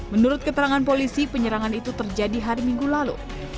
menurut keterangan polisi penyerangan itu terjadi hari minggu lalu